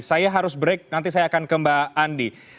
saya harus break nanti saya akan ke mbak andi